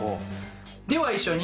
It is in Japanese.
では一緒に。